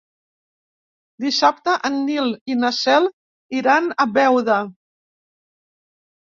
Dissabte en Nil i na Cel iran a Beuda.